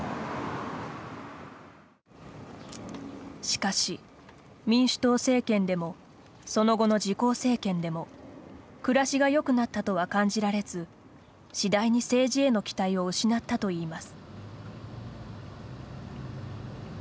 しかし、民主党政権でもその後の自公政権でも暮らしがよくなったとは感じられず次第に政治への期待を失ったといいます。